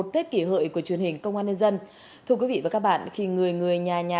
tết kỷ hợi của truyền hình công an nhân dân thưa quý vị và các bạn khi người người nhà nhà